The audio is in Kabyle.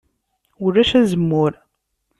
Ulac azemmur.